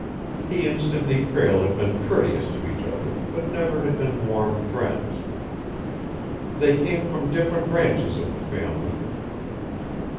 He and Sidney Prale had been courteous to each other, but never had been warm friends. They came from different branches of the family.